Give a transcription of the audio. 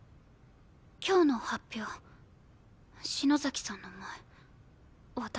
今日の発表篠崎さんの前私。